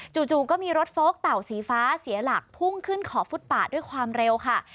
จู่ก็มีรถโฟลกเต่าสีฟ้าเสียหลักพุ่งขึ้นขอบฟุตป่าด้วยความเร็วค่ะ